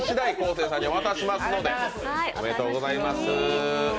生さんにお渡ししますのでおめでとうございます。